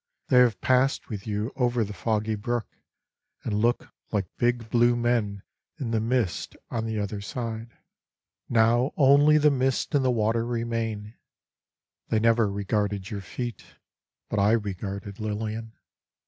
They have passed with you over the foggy brook And look like big blue men in the mist on the other side. 34 ENGLISH GIRL « Now only the mist and the water remain. They never regarded your feet, But I regarded, Lilian.